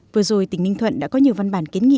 vừa rồi tỉnh ninh thuận đã có nhiều văn bản kiến nghị